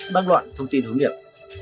đăng loạn thông tin hướng nghiệp